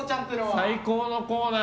最高のコーナー。